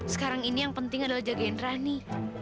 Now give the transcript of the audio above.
sekarang ini yang penting adalah jaga rani